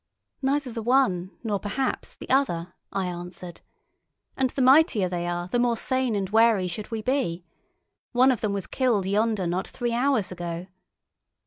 "Neither the one nor, perhaps, the other," I answered. "And the mightier they are the more sane and wary should we be. One of them was killed yonder not three hours ago."